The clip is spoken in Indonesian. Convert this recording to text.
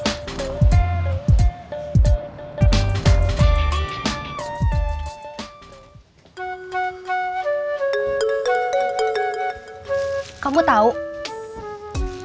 sepertinya acara itu kayak dansa